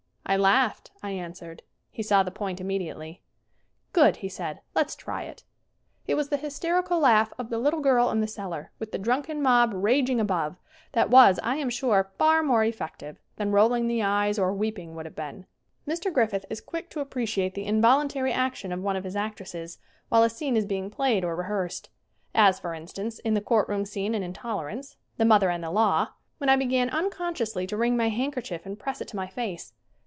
"I laughed," I answered. He saw the point immediately. "Good," he said. "Let's try it." It was the hysterical laugh of the little girl in the cellar, with the drunken mob raging above, that was, I am sure, far more effective than rolling the eyes or weeping would have been. Mr. Griffith is quick to appreciate the invol untary action of one of his actresses while a scene is being played or rehearsed. As for instance, in the court room scene in "Intoler ance" ("The Mother and the Law") when I began unconsciously to wring my handkerchief and press it to my face.